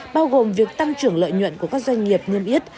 bao gồm việc tăng trưởng lợi nhuận của các doanh nghiệp niêm yết